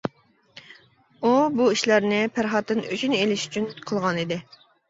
ئۇ بۇ ئىشلارنى پەرھاتتىن ئۆچىنى ئېلىش ئۈچۈن قىلغانىدى.